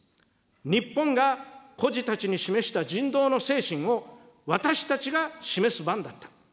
日本が孤児たちに示した人道の精神を、私たちが示す番だった。